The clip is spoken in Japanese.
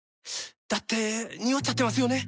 だってニオっちゃってますよね。